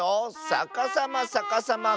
さかさまさかさま！